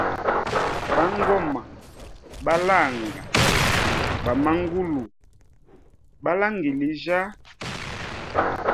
Bangoma ba langa, bamangulu balangilijya.